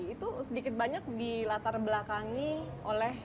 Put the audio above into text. itu sedikit banyak di latar belakangi oleh